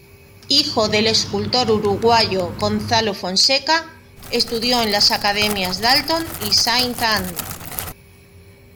Hijo del escultor uruguayo Gonzalo Fonseca, estudió en las academias Dalton y Saint Ann.